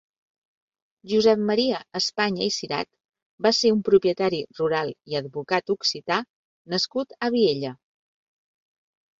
Josep Maria Espanya i Sirat va ser un propietari rural i advocat occità nascut a Viella.